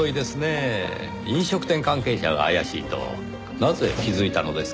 飲食店関係者が怪しいとなぜ気づいたのですか？